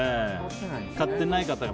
買ってない方が。